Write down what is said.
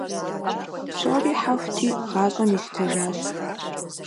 Псори хьэхути, гъащӀэм ищтэжащ.